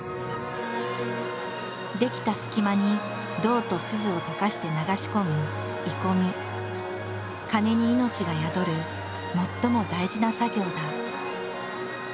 出来た隙間に銅と錫を溶かして流し込む鐘に命が宿る最も大事な作業だ。